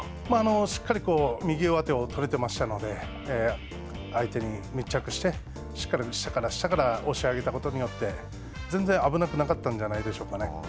しっかり右上手を取れてましたので、相手に密着して、しっかり下から下から押し上げたことによって、全然、危なくなかったんじゃないでしょうかね。